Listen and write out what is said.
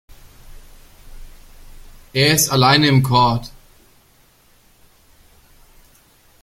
Er ist alleine im Court.